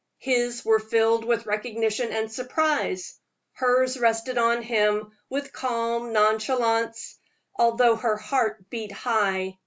His were filled with recognition and surprise hers rested on him with calm nonchalance, although her heart beat high.